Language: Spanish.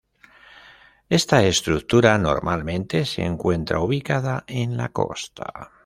Esta estructura normalmente se encuentra ubicada en la costa.